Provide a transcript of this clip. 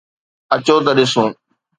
اچو ته ڏسون